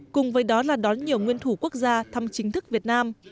cùng với đó là đón nhiều nguyên thủ quốc gia thăm chính thức việt nam